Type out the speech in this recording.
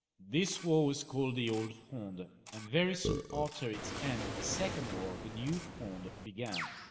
This war was called the old Fronde, and very soon after its end a second war, the new Fronde, began.